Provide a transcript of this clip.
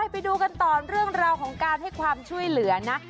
ไปดูกันต่อเรื่องราวของการให้ความช่วยเหลือนะ